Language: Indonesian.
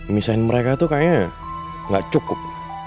misahin mereka tuh kayaknya gak cukup